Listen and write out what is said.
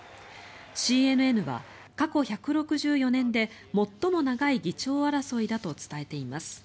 ＣＮＮは過去１６４年で最も長い議長争いだと伝えています。